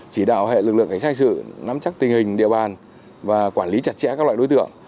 chỉ đạo hệ lực lượng cảnh sát hình sự nắm chắc tình hình địa bàn và quản lý chặt chẽ các loại đối tượng